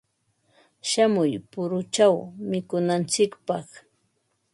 Shamuy puruchaw mikunantsikpaq.